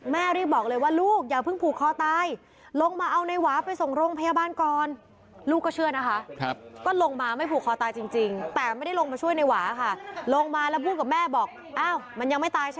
แม่รีบบอกเลยว่าลูกอย่าเพิ่งผูกคอตาย